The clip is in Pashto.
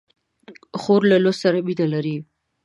خور له لوست سره مینه لري.